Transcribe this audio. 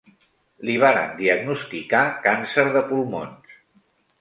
Li varen diagnosticar càncer de pulmons.